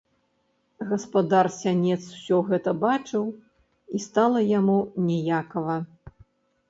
Гаспадар сянец усё гэта бачыў, і стала яму ніякава.